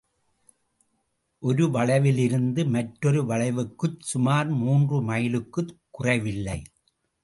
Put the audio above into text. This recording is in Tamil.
ஒரு வளைவிலிருந்து மற்றொரு வளைவுக்குச் சுமார் மூன்று மைலுக்குக் குறைவில்லை.